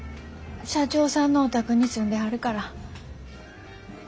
社長さんのお宅に住んではるから。